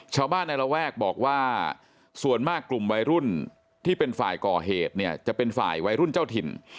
ชาวบ้านในระแวกบอกว่าส่วนมากกลุ่มวัยรุ่นที่เป็นฝ่ายก่อเหตุเนี่ยจะเป็นฝ่ายวัยรุ่นเจ้าถิ่น